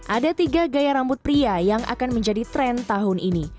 ada tiga gaya rambut pria yang akan menjadi tren tahun ini